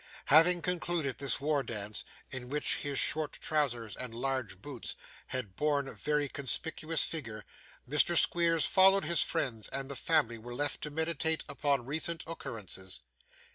Having concluded this war dance, in which his short trousers and large boots had borne a very conspicuous figure, Mr. Squeers followed his friends, and the family were left to meditate upon recent occurrences.